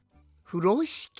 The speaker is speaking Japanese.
ふろしき？